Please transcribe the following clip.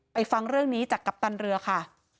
ฟังเรื่องนี้จากกัปตันเรือค่ะ